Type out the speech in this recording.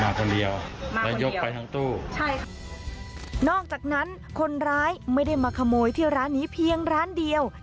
คนเดียวมาแล้วยกไปทั้งตู้ใช่ค่ะนอกจากนั้นคนร้ายไม่ได้มาขโมยที่ร้านนี้เพียงร้านเดียว